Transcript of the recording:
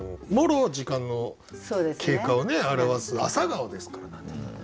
もろ時間の経過を表す朝顔ですから。